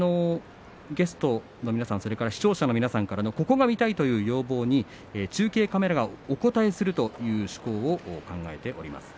ゲストの皆さん視聴者の皆さんからここが見たいという要望に中継カメラがお応えするということを考えています。